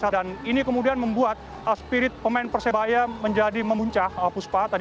dan ini kemudian membuat spirit pemain persebaya menjadi memunculkan